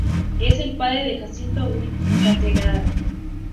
Es el padre de Jacinto Higueras Cátedra.